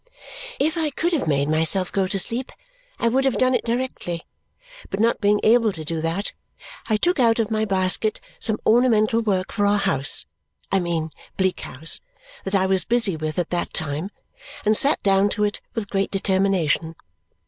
If I could have made myself go to sleep, I would have done it directly, but not being able to do that, I took out of my basket some ornamental work for our house (I mean Bleak House) that I was busy with at that time and sat down to it with great determination.